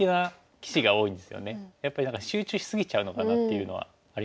やっぱり集中し過ぎちゃうのかなっていうのはありますよね。